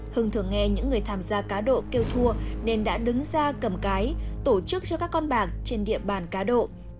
hưng thường nghe những người tham gia cá độ kêu thua nên đã đứng ra cầm cái tổ chức cho các con bạc trên địa bàn cá độ